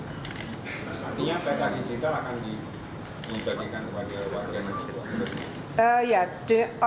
artinya peta digital akan dibagikan kepada warga